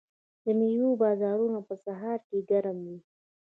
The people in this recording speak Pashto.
د میوو بازارونه په سهار کې ګرم وي.